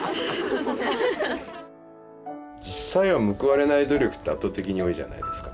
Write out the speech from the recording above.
実際は報われない努力って圧倒的に多いじゃないですか。